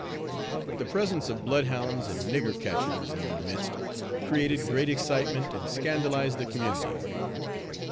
The presence of bloodhounds and "nigger catchers" in their midst, created great excitement and scandalized the community.